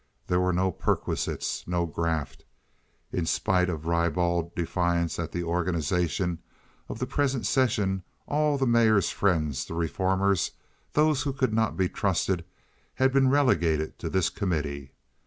There were no perquisites, no graft. In a spirit of ribald defiance at the organization of the present session all the mayor's friends—the reformers—those who could not be trusted—had been relegated to this committee.